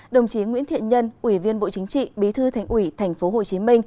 đồng chí nguyễn thiện nhân ủy viên bộ chính trị bí thư thành ủy tp hcm